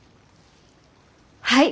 はい！